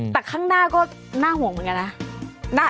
แต่ข้างหน้าก็น่าห่วงเหมือนกันนะ